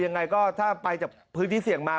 ยังไงก็ถ้าไปจากพื้นที่เสี่ยงมา